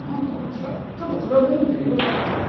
ちょっと比べるんで、いろいろ食べましょう。